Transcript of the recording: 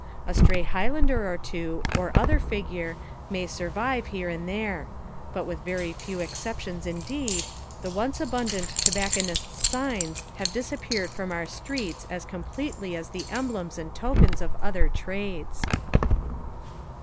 A stray highlander or two, or other figure, may survive here and there; but with very few exceptions indeed, the once abundant tobacconists' signs have disappeared from our streets as completely as the emblems and tokens of other trades.